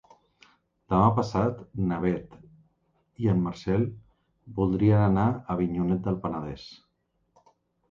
Demà passat na Beth i en Marcel voldrien anar a Avinyonet del Penedès.